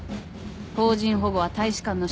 邦人保護は大使館の職責。